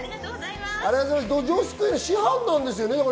どじょうすくいの師範なんですよね？